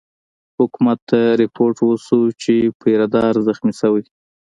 حکومت ته رپوټ وشو چې پیره دار زخمي شوی.